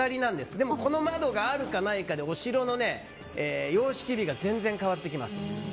でもこの窓があるかどうかでお城の様式美が全然変わってきます。